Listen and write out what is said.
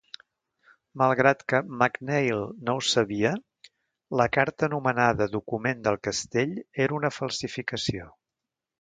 Malgrat que MacNeill no ho sabia, la carta anomenada Document del castell era una falsificació.